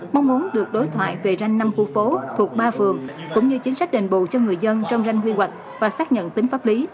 mong muốn được đối thoại về ranh năm khu phố thuộc ba phường cũng như chính sách đền bù cho người dân trong ranh quy hoạch và xác nhận tính pháp lý